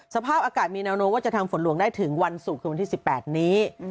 สภาพอากาศมีแนวโน้ว่าจะทำฝนหลวงได้ถึงวันศุกร์คือวันที่๑๘นี้